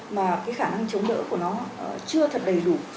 mà cái khả năng chống đỡ của nó chưa thật đầy đủ